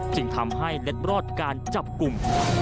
จึงทำให้เล็ดรอดการจับกลุ่ม